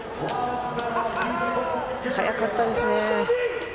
速かったですね。